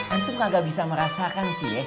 antum kagak bisa merasakan sih ya